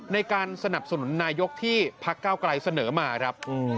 ในการสนับสนุนนายกที่พักเก้าไกลเสนอมาครับ